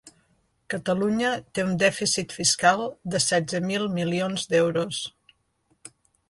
Catalunya té un dèficit fiscal de setze mil milions d’euros.